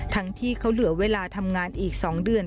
ที่เขาเหลือเวลาทำงานอีก๒เดือน